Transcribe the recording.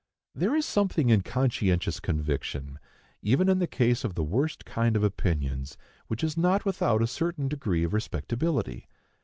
There is something in conscientious conviction, even in case of the worst kind of opinions, which is not without a certain degree of respectability.